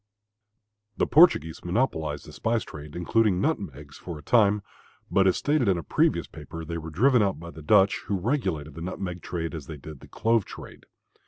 The Portuguese monopolized the spice trade, including nutmegs, for a time, but as stated in a previous paper, they were driven out by the Dutch, who regulated the nutmeg trade as they did the clove trade.